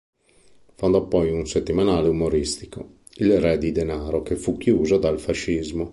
Fondò poi un settimanale umoristico, "Il Re di denaro", che fu chiuso dal fascismo.